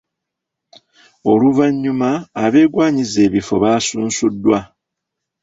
Oluvannyuma abeegwanyiza ebifo baasunsuddwa